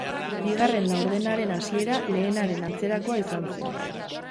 Bigarren laurdenaren hasiera lehenaren antzerakoa izan zen.